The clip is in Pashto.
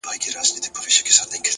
نیک چلند تل ښه اغېز پرېږدي!.